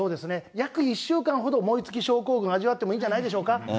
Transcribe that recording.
約１週間ほど燃え尽き症候群を味わってもいいんじゃないでしょうか。